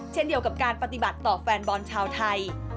เช่นเดียวกับการปฏิบัติต่อแฟนบอลชาวไทย